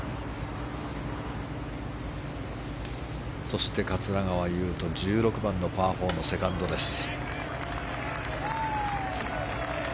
そして桂川有人１６番のパー４のセカンドです。